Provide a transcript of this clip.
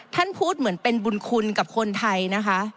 ท่านพูดเหมือนเป็นบุญคุณกับคนไทยนะคะ